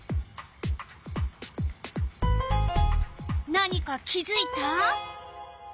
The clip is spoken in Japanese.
何か気づいた？